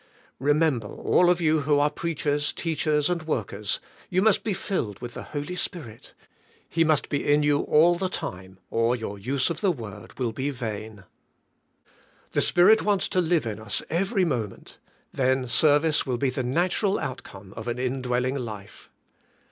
Re member, all of you who are preachers, teachers, and workers, you must be filled v/ith the Holy Spirit, He must be in you all the time, or your use of the word will be vain. The Spirit wants to live in us every moment; then service will be the natural out come of an indwelling life.